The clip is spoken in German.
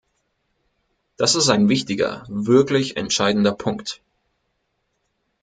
Das ist ein wichtiger, wirklich entscheidender Punkt!